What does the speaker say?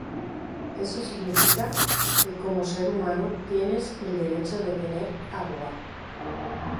Eso significa que como ser humano tienes el derecho de tener agua.